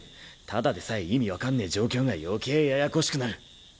ただでさえ意味分かんねぇ状況が余計ややこしくなる。